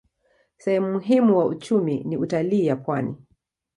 Sehemu muhimu wa uchumi ni utalii ya pwani.